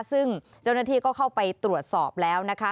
ซึ่งเจ้าหน้าที่ก็เข้าไปตรวจสอบแล้วนะคะ